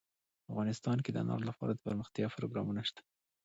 افغانستان کې د انار لپاره دپرمختیا پروګرامونه شته.